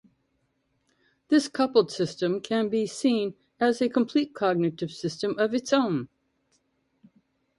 This coupled system can be seen as a complete cognitive system of its own.